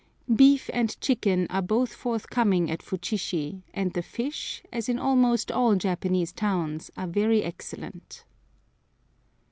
Beef and chicken are both forthcoming at Futshishi, and the fish, as in almost all Japanese towns, are very excellent.